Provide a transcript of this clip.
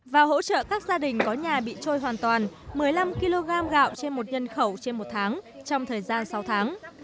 và hỗ trợ các gia đình có nhà bị trôi hoàn toàn một mươi năm kg gạo trên một nhân khẩu trên một tháng trong thời gian sáu tháng